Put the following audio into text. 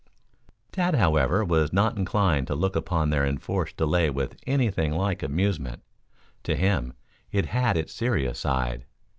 Tad, however, was not inclined to look upon their enforced delay with anything like amusement. To him it had its serious side.